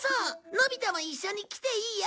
のび太も一緒に来ていいよ。